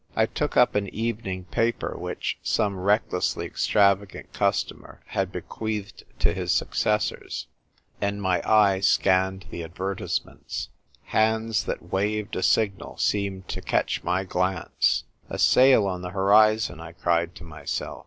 I took up an evcninj; paper, which some recklessly extravagant cus tomer had bequeathed to his successors, and my eye scanned the advertisements. Hands that waved a signal seemed to catch my glance. "A sail on the horizon!" I cried to myself.